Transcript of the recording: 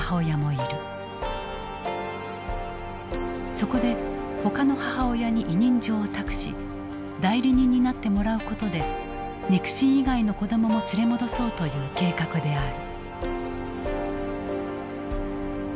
そこでほかの母親に委任状を託し代理人になってもらうことで肉親以外の子どもも連れ戻そうという計画である。